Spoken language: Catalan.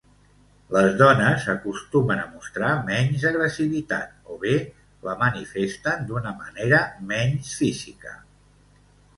Les dones acostumen a mostrar menys agressivitat o bé la manifesten d'una manera menys física.